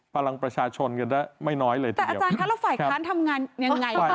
พลังประชาชนกันได้ไม่น้อยเลยทีเดียวครับแต่อาจารย์คะแล้วฝ่ายค้านทำงานยังไงล่ะคะ